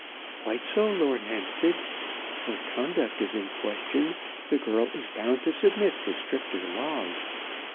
"Quite so, Lord Hampstead. Where conduct is in question, the girl is bound to submit to stricter laws.